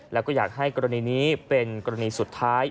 แล้วก็อยากให้กรณีนี้เป็นกรณีสุดท้าย